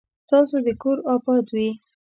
ستاسو دي کور اباد وي